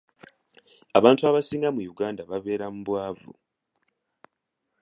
Abantu abasinga mu Uganda babeera mu bwavu.